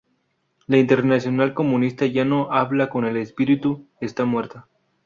La Internacional Comunista ya no habla con el espíritu, está muerta.